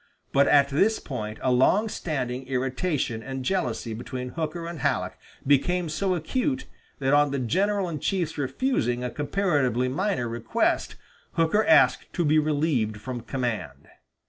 But at this point a long standing irritation and jealousy between Hooker and Halleck became so acute that on the general in chief's refusing a comparatively minor request, Hooker asked to be relieved from command.